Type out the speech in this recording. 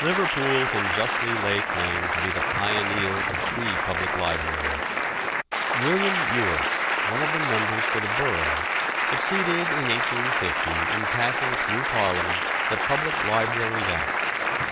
Liverpool can justly lay claim to be the pioneer of free public libraries. William Ewart, one of the members for the borough, succeeded in 1850 in passing through Parliament the Public Libraries Act.